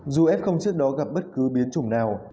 dù ép không trước đó gặp bất cứ biến chủng nào